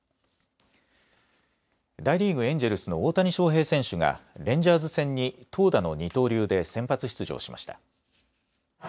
大リーグ、エンジェルスの大谷翔平選手がレンジャーズ戦に投打の二刀流で先発出場しました。